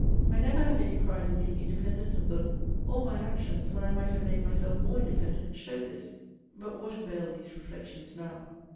I never had any pride in being independent of them; all my actions, when I might have made myself more independent, show this But what avail these reflections now?